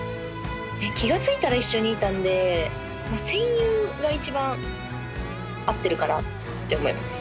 気が付いたら一緒にいたんで戦友が一番合ってるかなって思います。